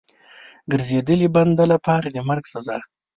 ګرځېدلي بنده لپاره د مرګ سزا.